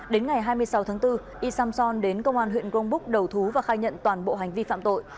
đến ngày hai mươi sáu tháng bốn y samson đến công an huyện grong búc đầu thú và khai nhận toàn bộ hành vi phạm tội